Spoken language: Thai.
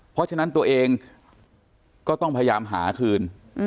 เพราะฉะนั้นตัวเองก็ต้องพยายามหาคืน